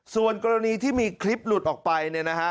ส่วนกรณีที่มีคลิปหลุดออกไปเนี่ยนะฮะ